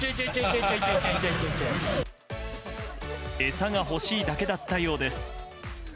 餌が欲しいだけだったようです。